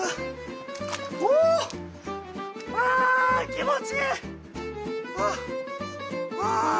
おお、気持ちいい！